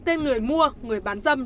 tên người mua người bán dâm